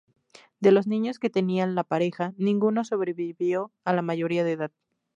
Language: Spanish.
De los niños que tenía la pareja, ninguno sobrevivió a la mayoría de edad.